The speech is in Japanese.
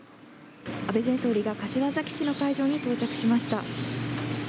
安倍前総理が柏崎市の会場に到着しました。